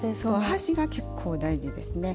端が結構大事ですね。